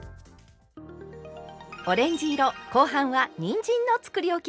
オレンジ色後半はにんじんのつくりおきです。